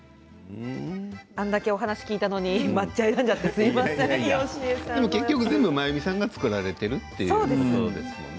あれだけお話を聞いたのにでも結局、全部真由美さんが作られているということですよね。